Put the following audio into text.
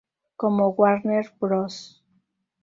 Como Warner Bros.